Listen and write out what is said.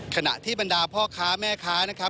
ขณะที่บรรดาพ่อค้าแม่ค้า